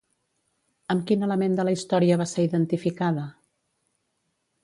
Amb quin element de la història va ser identificada?